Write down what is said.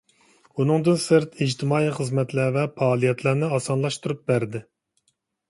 ئۇنىڭدىن سىرت، ئىجتىمائىي خىزمەتلەر ۋە پائالىيەتلەرنى ئاسانلاشتۇرۇپ بەردى.